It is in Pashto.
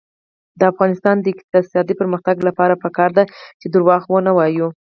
د افغانستان د اقتصادي پرمختګ لپاره پکار ده چې دروغ ونه وایو.